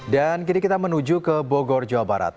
dan kini kita menuju ke bogor jawa barat